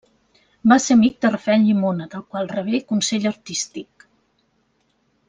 Va ser amic de Rafael Llimona, del qual rebé consell artístic.